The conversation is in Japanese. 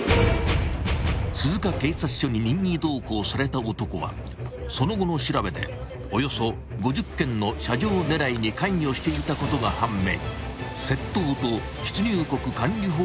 ［鈴鹿警察署に任意同行された男はその後の調べでおよそ５０件の車上狙いに関与していたことが判明］